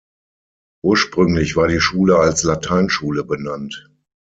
Ursprünglich war die Schule als Lateinschule benannt.